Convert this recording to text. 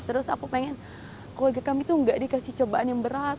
terus aku pengen keluarga kami tuh gak dikasih cobaan yang berat